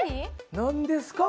何ですか？